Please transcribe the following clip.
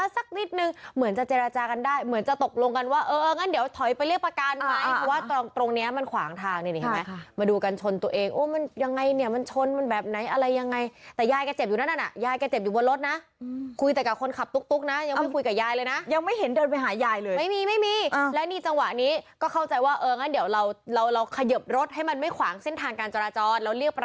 สักนิดนึงเหมือนจะเจรจากันได้เหมือนจะตกลงกันว่าเอองั้นเดี๋ยวถอยไปเรียกประการไหมเพราะว่าตรงตรงเนี้ยมันขวางทางนี่ไหมค่ะมาดูกันชนตัวเองโอ้มันยังไงเนี้ยมันชนมันแบบไหนอะไรยังไงแต่ยายก็เจ็บอยู่นั่นน่ะยายก็เจ็บอยู่บนรถน่ะคุยแต่กับคนขับตุ๊กตุ๊กน่ะยังไม่คุยกับยายเลยน่ะยังไม่เห